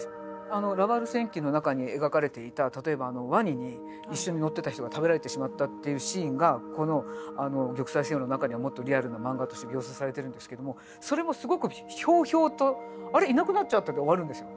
あの「ラバウル戦記」の中に描かれていた例えばワニに一緒に乗ってた人が食べられてしまったっていうシーンがこの「玉砕せよ」の中にはもっとリアルな漫画として描写されてるんですけどもそれもすごくひょうひょうと「あれいなくなっちゃった」で終わるんですよ。